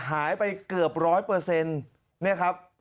หายไปเกือบร้อยเปอร์เซ็นต์เนี่ยครับ